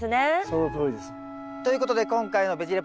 そのとおりです。ということで今回の「ベジ・レポ」でございます。